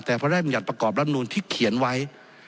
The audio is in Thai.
แต่พระร่าชมิยัตรประกอบร่านรุนที่เขียนไว้